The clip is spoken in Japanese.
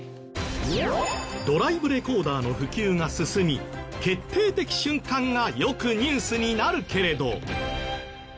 ドライブレコーダーの普及が進み決定的瞬間がよくニュースになるけれど。